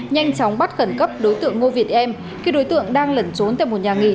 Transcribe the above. nhanh chóng bắt khẩn cấp đối tượng ngô việt em khi đối tượng đang lẩn trốn tại một nhà nghỉ